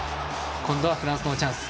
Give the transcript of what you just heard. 今度はフランスのチャンス。